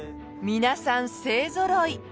皆さん勢ぞろい。